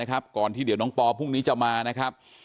ก่อนที่เดี๋ยวน้องปอพรุ่งนี้จะมานะครับ